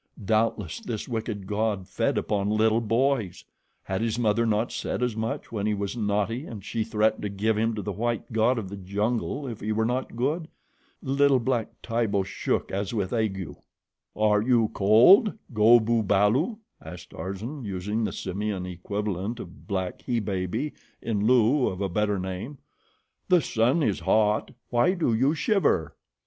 Doubtless this wicked god fed upon little boys. Had his mother not said as much when he was naughty and she threatened to give him to the white god of the jungle if he were not good? Little black Tibo shook as with ague. "Are you cold, Go bu balu?" asked Tarzan, using the simian equivalent of black he baby in lieu of a better name. "The sun is hot; why do you shiver?"